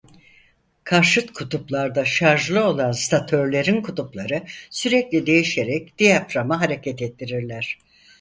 Karşıt kutuplarda şarjlı olan statörlerin kutupları sürekli değişerek diyaframı hareket ettirirler.